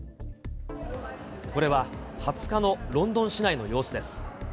これは２０日のロンドン市内の様子です。